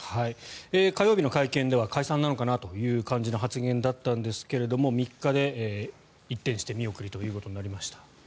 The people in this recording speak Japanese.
火曜日の会見では解散なのかなという感じの発言だったんですけれど３日で一転して見送りとなりました。